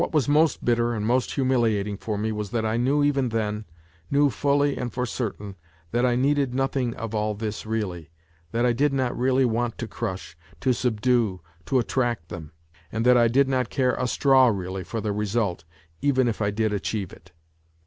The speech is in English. was most bitter and most humiliat ing for me was that I knew even then, knew fully and for certain, that I needed nothing of all this really, that I did not really want to crush, to subdue, to attract them, and that I did not care a straw really for the result, even if I did achieve it.